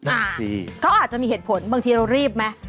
อ่าสิเขาอาจจะมีเหตุผลบางทีเรารีบไหม